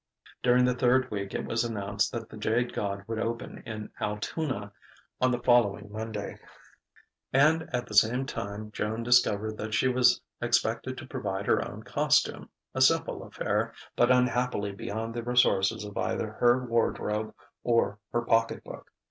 During the third week it was announced that "The Jade God" would open in Altoona on the following Monday. And at the same time Joan discovered that she was expected to provide her own costume, a simple affair but unhappily beyond the resources of either her wardrobe or her pocket book.